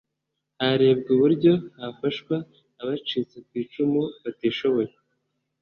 harebwe uburyo hafashwa abacitse ku icumu batishoboye